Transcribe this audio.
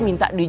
minta di jenguk